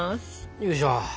よいしょ。